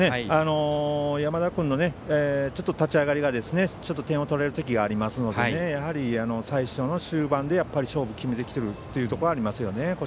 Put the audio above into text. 山田君の立ち上がりがちょっと点を取られる時がありますのでやはり、終盤で勝負を決めてきているというところがありますね。